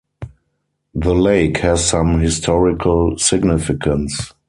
The lake has some historical significance.